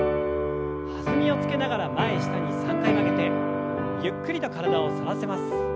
弾みをつけながら前下に３回曲げてゆっくりと体を反らせます。